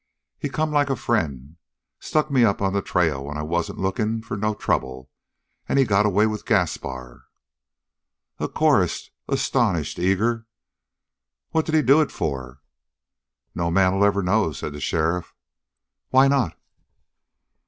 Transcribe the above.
"He come like a friend, stuck me up on the trail when I wasn't lookin' for no trouble, and he got away with Gaspar." A chorus, astonished, eager. "What did he do it for?" "No man'll ever know," said the sheriff. "Why not?"